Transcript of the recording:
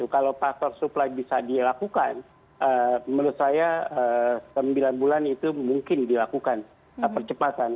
kalau faktor supply bisa dilakukan menurut saya sembilan bulan itu mungkin dilakukan percepatan